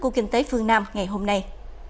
của kinh tế phương nam ngày hôm nay